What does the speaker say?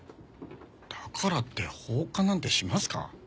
だからって放火なんてしますか？